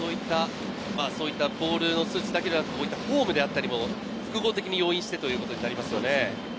ボールの数値だけではなくフォームであったりも複合的に容認してということになりますよね。